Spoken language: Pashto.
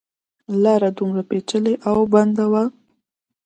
لاره دومره پېچلې او بنده وه.